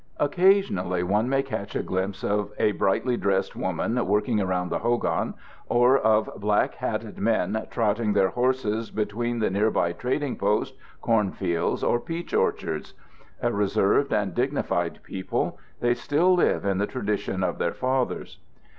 Occasionally one may catch a glimpse of a brightly dressed woman working around the hogan or of black hatted men trotting their horses between the nearby trading post, cornfields, or peach orchards. A reserved and dignified people, they still live in the tradition of their fathers.